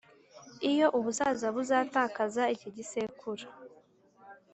iyo ubusaza buzatakaza iki gisekuru,